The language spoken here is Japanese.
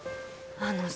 あのさ